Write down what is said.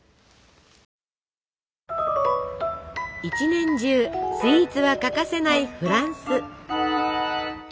一年中スイーツは欠かせないフランス。